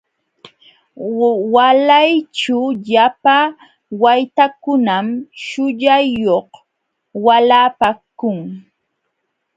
Waalayćhu llapa waytakunam shullayuq waalapaakun.